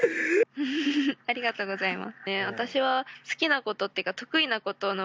ありがとうございます。